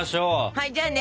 はいじゃあね